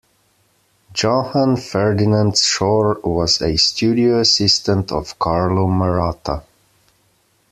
Johann Ferdinand Schor was a studio assistant of Carlo Maratta.